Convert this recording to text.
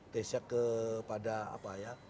tastenya kepada apa ya